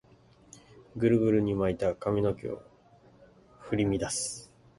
グルグルに巻いた髪の毛を振り乱す